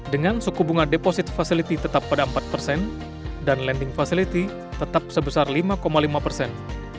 dengan suku bunga deposit facility tetap pada empat persen dan landing facility tetap sebesar lima lima persen